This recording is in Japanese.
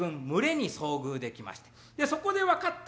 そこで分かった